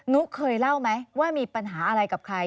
ุ๊กเคยเล่าไหมว่ามีปัญหาอะไรกับใคร